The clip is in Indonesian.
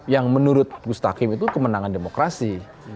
yang menurut gustaf kim itu kemenangan demokrasi